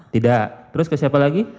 tidak terus ke siapa lagi